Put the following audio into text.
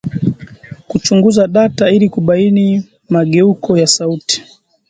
Kuchunguza data ili kubaini mageuko ya sauti